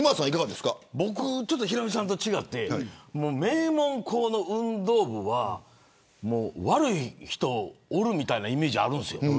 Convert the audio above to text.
僕はヒロミさんと違って名門校の運動部は悪い人がいるみたいなイメージがあるんです。